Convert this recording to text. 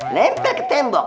lempar ke tembok